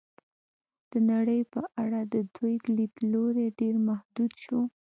د نړۍ په اړه د دوی لید لوری ډېر محدود شو.